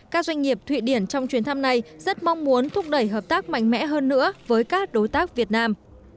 các doanh nghiệp thụy điển trong chuyến thăm này rất mong muốn thúc đẩy hợp tác mạnh mẽ hơn nữa với các đối tác việt nam